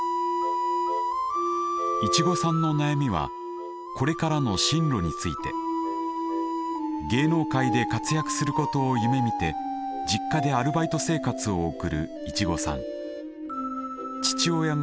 いちごさんの悩みは芸能界で活躍することを夢みて実家でアルバイト生活を送るいちごさん。